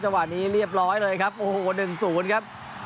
นี้เรียบร้อยเลยครับโอ้โห๑๐ครับ